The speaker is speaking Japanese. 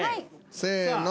せの。